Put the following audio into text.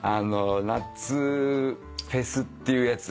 夏フェスっていうやつ。